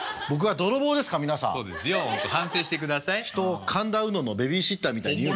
人を神田うののベビーシッターみたいに言うな。